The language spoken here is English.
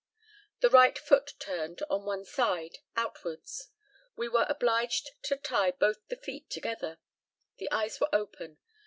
The right foot turned, on one side, outwards. We were obliged to tie both the feet together. The eyes were open.